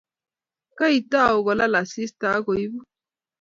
kaitou kulal asista akuibu